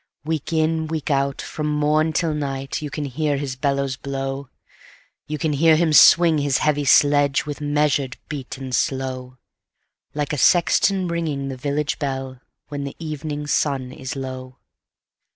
Week in, week out, from morn till night, You can hear his bellows blow; You can hear him swing his heavy sledge, With measured beat and slow, Like a sexton ringing the village bell, When the evening sun is low.